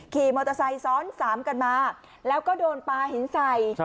ขี่มอเตอร์ไซค์ซ้อนสามกันมาแล้วก็โดนปลาหินใส่